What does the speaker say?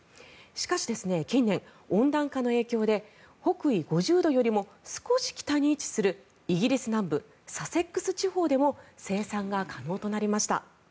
しかし近年、温暖化の影響で北緯５０度よりも少し北に位置するイギリス南部サセックス地方でも生産が可能となりました。